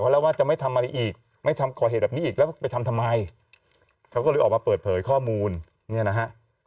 นะว่าจะไม่ทำอะไรอีกไม่ทำตัวเหตุอีกแล้วไปทำทำไมเขาก็ลิอมาเปิดเพลยข้อมูลเนี่ยนะฮะ